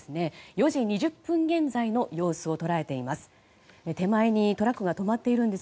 ４時２０分現在の様子を捉えています。